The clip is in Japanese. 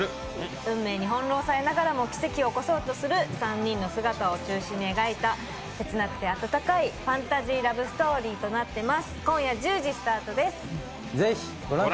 運命に翻弄されながらも奇跡を起こそうとする３人の姿を中心に描いた切なくてあたたかいファンタジーラブストーリーとなっています。